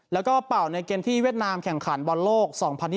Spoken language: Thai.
แล้วก็เป่าในเกมที่เวียดนามแข่งขันบอลโลก๒๐๒๐